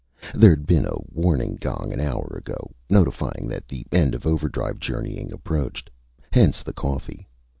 There'd been a warning gong an hour ago, notifying that the end of overdrive journeying approached. Hence the coffee.